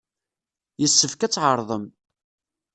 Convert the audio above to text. Yessefk ad tɛerḍem.